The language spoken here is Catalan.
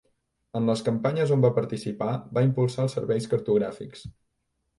En les campanyes on va participar va impulsar els serveis cartogràfics.